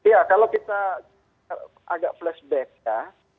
ya kalau kita agak flashback ya